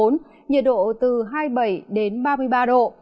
nhiệt độ từ hai mươi bảy đến ba mươi ba độ